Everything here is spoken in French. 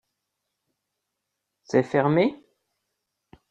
C'est fermé ?